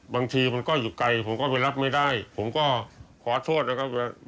บางทีมันก็อยู่ไกลผมก็ไปรับไม่ได้ผมก็ขอโทษนะครับ